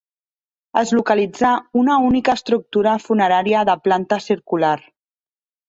Es localitzà una única estructura funerària de planta circular.